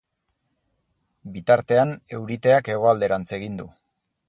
Bitartean, euriteak hegoalderantz egin du.